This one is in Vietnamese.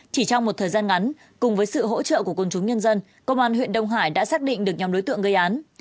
chỉ trong một thời gian ngắn cùng với sự hỗ trợ của quân chúng nhân dân công an huyện đông hải đã xác định được nhóm đối tượng gây án